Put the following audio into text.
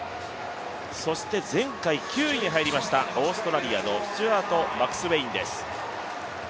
そして前回９位に入りましたオーストラリアのマクスウェインです。